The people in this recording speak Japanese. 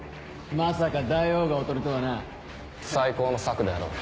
まさか大王が囮とはな。最高の策であろう。